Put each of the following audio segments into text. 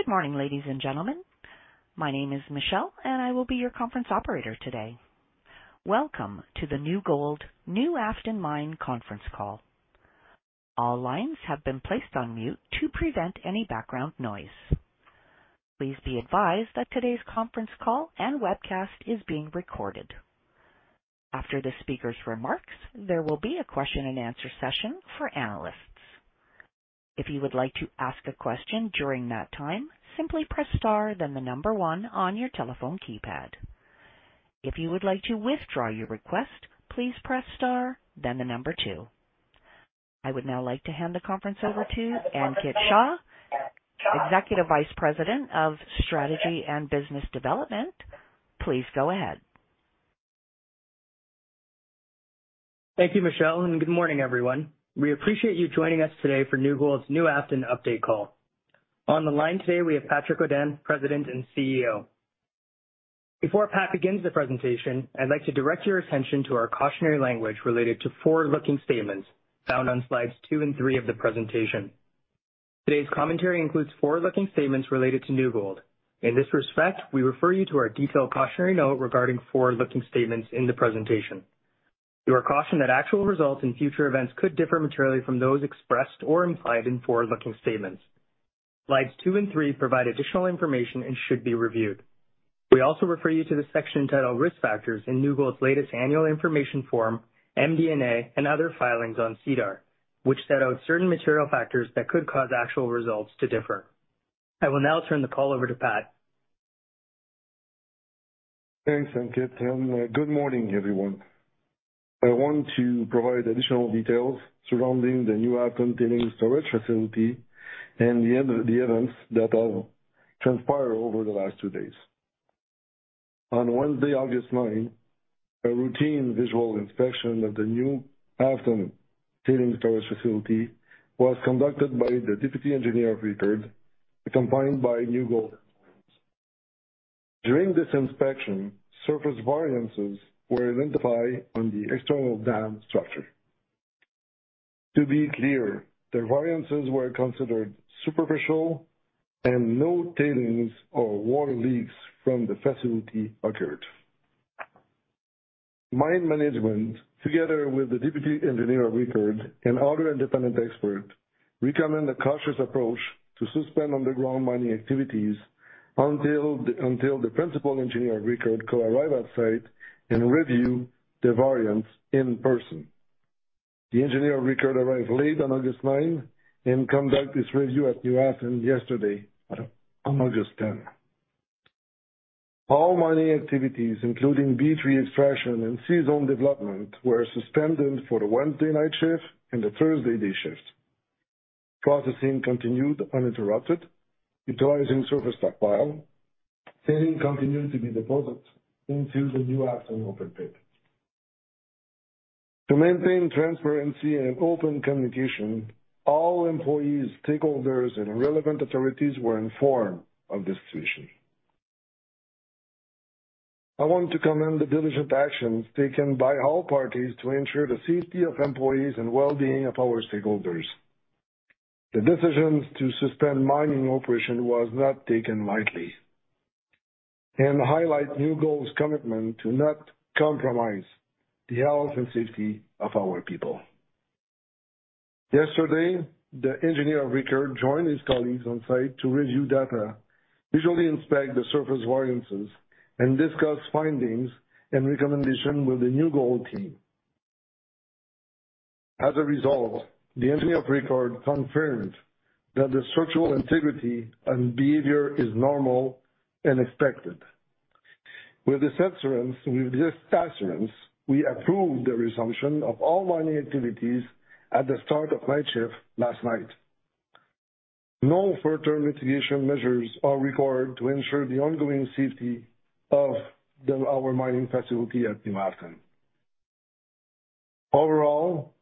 Good morning, ladies and gentlemen. My name is Michelle, and I will be your conference operator today. Welcome to the New Gold New Afton Mine conference call. All lines have been placed on mute to prevent any background noise. Please be advised that today's conference call and webcast is being recorded. After the speaker's remarks, there will be a question-and-answer session for analysts. If you would like to ask a question during that time, simply press star, then the number one on your telephone keypad. If you would like to withdraw your request, please press star, then the number two. I would now like to hand the conference over to Ankit Shah, Executive Vice President of Strategy and Business Development. Please go ahead. Thank you, Michelle, good morning, everyone. We appreciate you joining us today for New Gold's New Afton update call. On the line today, we have Patrick Godin, President and CEO. Before Pat begins the presentation, I'd like to direct your attention to our cautionary language related to forward-looking statements found on slides two and three of the presentation. Today's commentary includes forward-looking statements related to New Gold. In this respect, we refer you to our detailed cautionary note regarding forward-looking statements in the presentation. You are cautioned that actual results in future events could differ materially from those expressed or implied in forward-looking statements. Slides two and three provide additional information and should be reviewed. We also refer you to the section titled Risk Factors in New Gold's latest Annual Information Form, MD&A, and other filings on SEDAR, which set out certain material factors that could cause actual results to differ. I will now turn the call over to Pat. Thanks, Ankit, and good morning, everyone. I want to provide additional details surrounding the New Afton Tailings Storage Facility and the other events that have transpired over the last two days. On Wednesday, August 9, a routine visual inspection of the New Afton Tailings Storage Facility was conducted by the Deputy Engineer of Record, accompanied by New Gold. During this inspection, surface variances were identified on the external dam structure. To be clear, the variances were considered superficial, and no tailings or water leaks from the facility occurred. Mine management, together with the Deputy Engineer of Record and other independent experts recommend a cautious approach to suspend underground mining activities until the principal Engineer of Record could arrive at site and review the variance in person. The Engineer of Record arrived late on August 9th and conducted this review at New Afton yesterday, on August 10th. All mining activities, including B3 extraction and C-Zone development, were suspended for the Wednesday night shift and the Thursday day shift. Processing continued uninterrupted, utilizing surface stockpile. Tailings continued to be deposited into the New Afton open pit. To maintain transparency and open communication, all employees, stakeholders, and relevant authorities were informed of this decision. I want to commend the diligent actions taken by all parties to ensure the safety of employees and well-being of our stakeholders. The decisions to suspend mining operation was not taken lightly and highlight New Gold's commitment to not compromise the health and safety of our people. Yesterday, the Engineer of Record joined his colleagues on site to review data, visually inspect the surface variances, and discuss findings and recommendation with the New Gold team. As a result, the Engineer of Record confirmed that the structural integrity and behavior is normal and expected. With this assurance, with this assurance, we approved the resumption of all mining activities at the start of night shift last night. No further mitigation measures are required to ensure the ongoing safety of the, our mining facility at New Afton. Overall,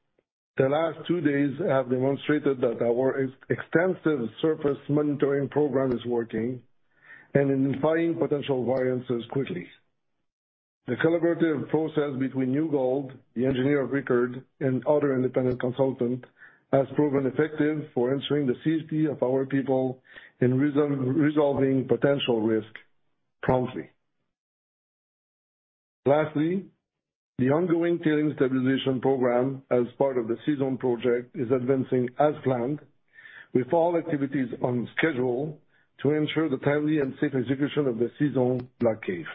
the last two days have demonstrated that our extensive surface monitoring program is working and in identifying potential variances quickly. The collaborative process between New Gold, the Engineer of Record, and other independent consultant has proven effective for ensuring the safety of our people and resolving potential risk promptly. Lastly, the ongoing tailings stabilization project, as part of the C-Zone project, is advancing as planned, with all activities on schedule to ensure the timely and safe execution of the C-Zone block cave.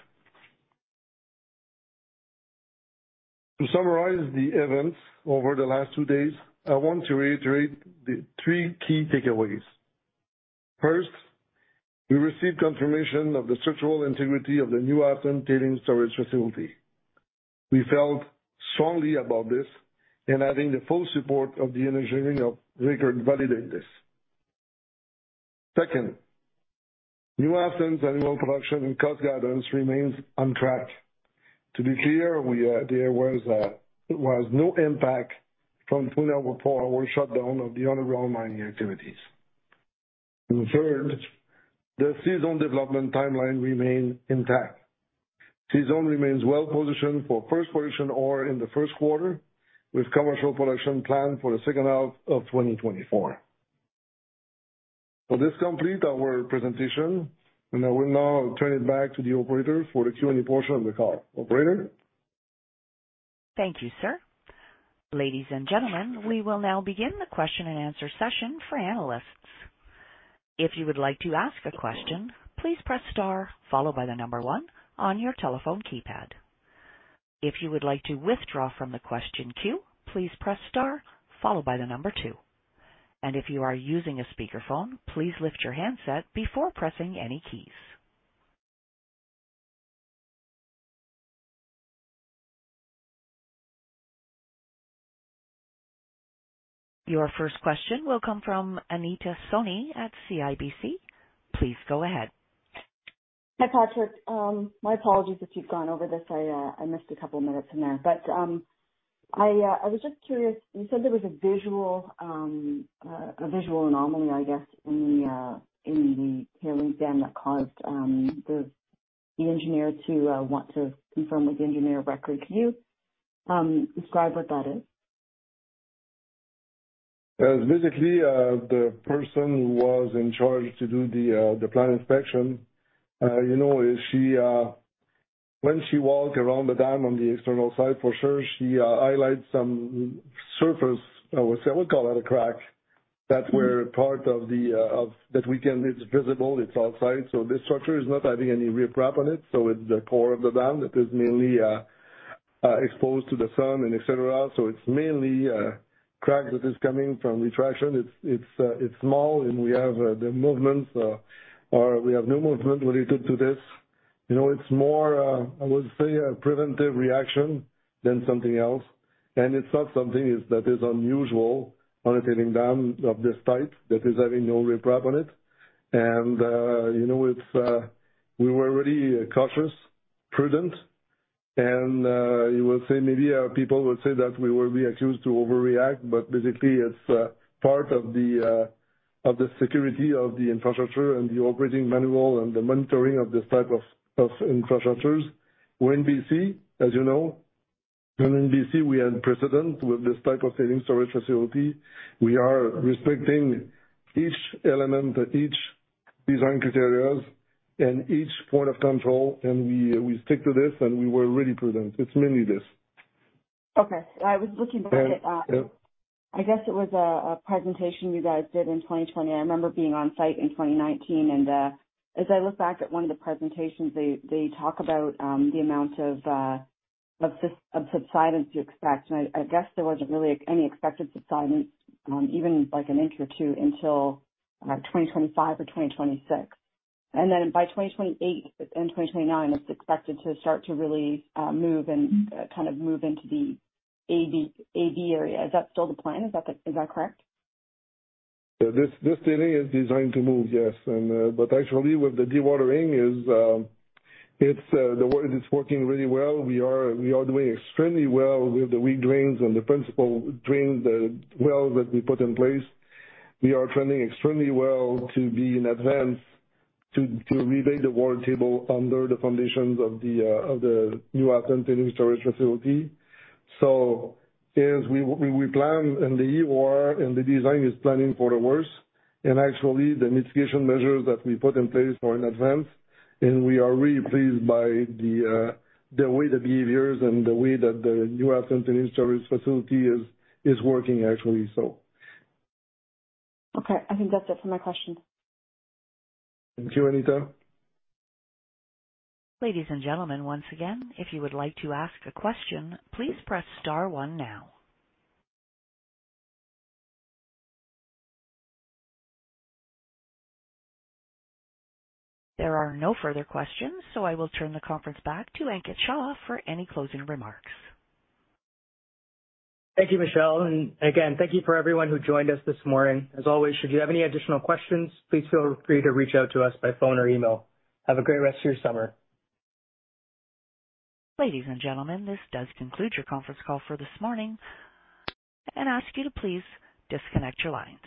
To summarize the events over the last two days, I want to reiterate the three key takeaways. First, we received confirmation of the structural integrity of the New Afton Tailings Storage Facility. We felt strongly about this, and adding the full support of the Engineer of Record validating this. Second, New Afton's annual production and cost guidance remains on track. To be clear, there was no impact from 2.5 hour shutdown of the underground mining activities. Third, the C-Zone development timeline remains intact. C-Zone remains well-positioned for first production ore in the first quarter, with commercial production planned for the second half of 2024. This completes our presentation, and I will now turn it back to the operator for the Q&A portion of the call. Operator? Thank you, sir. Ladies and gentlemen, we will now begin the question-and-answer session for analysts. If you would like to ask a question, please press star followed by one on your telephone keypad. If you would like to withdraw from the question queue, please press star followed by two. If you are using a speakerphone, please lift your handset before pressing any keys. Your first question will come from Anita Soni at CIBC. Please go ahead. Hi, Patrick. My apologies if you've gone over this. I missed a couple of minutes in there. I was just curious. You said there was a visual anomaly, I guess, in the tailing dam that caused the engineer to want to confirm with the Engineer of Record. Can you describe what that is? Basically, the person who was in charge to do the plant inspection, you know, when she walked around the dam on the external side, for sure, she highlighted some surface, I would say, we'll call it a crack. That's where part of the of - that we can, it's visible, it's outside, so this structure is not having any riprap on it. So it's the core of the dam that is mainly exposed to the sun and et cetera. So it's mainly a crack that is coming from retraction. It's small and we have the movements, or we have no movement related to this. You know, it's more, I would say, a preventive reaction than something else. It's not something that is unusual on a tailings dam of this type that is having no riprap on it. You know, it's, we were really cautious, prudent, and you would say maybe people would say that we will be accused to overreact, but basically it's part of the security of the infrastructure and the operating manual and the monitoring of this type of infrastructures. We're in BC, as you know, and in BC, we have precedent with this type of tailings storage facility. We are respecting each element, each design criteria, and each point of control, and we, we stick to this, and we were really prudent. It's mainly this. Okay. I was looking back at, I guess it was a presentation you guys did in 2020. I remember being on site in 2019, as I look back at one of the presentations, they talk about the amount of subsidence to expect. I guess there wasn't really any expected subsidence, even like 1 or 2 in, until 2025 or 2026. Then by 2028 and 2029, it's expected to start to really move and kind of move into the A-B area. Is that still the plan? Is that correct? This, this thing is designed to move, yes. But actually, with the dewatering, it's, the water is working really well. We are doing extremely well with the wick drains and the principal drains, the wells that we put in place. We are trending extremely well to be in advance to rebate the water table under the foundations of the New Afton storage facility. As we plan and the EOR and the design is planning for the worst and actually the mitigation measures that we put in place are in advance. We are really pleased by the way the behaviors and the way that the New Afton storage facility is working actually. Okay, I think that's it for my question. Thank you, Anita. Ladies and gentlemen, once again, if you would like to ask a question, please press star one now. There are no further questions. I will turn the conference back to Ankit Shah for any closing remarks. Thank you, Michelle. Again, thank you for everyone who joined us this morning. As always, should you have any additional questions, please feel free to reach out to us by phone or email. Have a great rest of your summer. Ladies and gentlemen, this does conclude your conference call for this morning, and I ask you to please disconnect your lines.